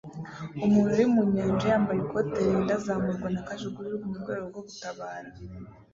Umuntu uri mu nyanja yambaye ikoti ririnda azamurwa na kajugujugu mu rwego rwo gutabara